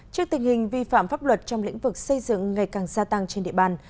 trước tình hình vi phạm pháp luật trong lĩnh vực xây dựng ngày càng gia tăng trên địa bàn